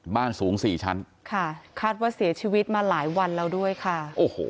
บ้านสูงสี่ชั้นค่ะคาดว่าเสียชีวิตมาหลายวันแล้วด้วยค่ะโอ้โห